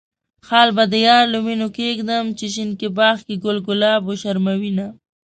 خال به د يار له وينو کيږدم، چې شينکي باغ کې ګل ګلاب وشرموينه.